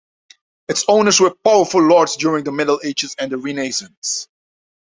Its owners were powerful lords during the Middle Ages and the Renaissance.